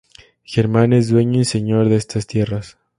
Germán es dueño y señor de estas tierras.